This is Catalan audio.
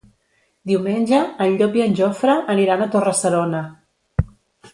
Diumenge en Llop i en Jofre aniran a Torre-serona.